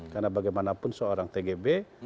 karena bagaimanapun seorang tgb